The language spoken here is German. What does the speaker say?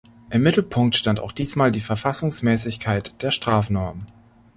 Im Mittelpunkt stand auch diesmal die Verfassungsmäßigkeit der Strafnorm.